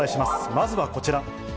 まずはこちら。